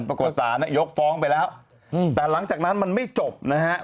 ปรากฏศาลยกฟ้องไปแล้วแต่หลังจากนั้นมันไม่จบนะฮะ